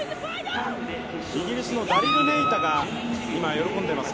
イギリスのダリル・ネイタが喜んでいます。